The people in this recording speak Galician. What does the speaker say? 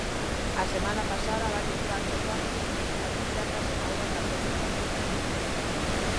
A semana pasada varios barcos vascos pescaron xardas en augas da Costa da Morte.